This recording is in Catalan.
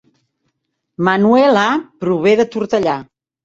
Manuela prové de Tortellà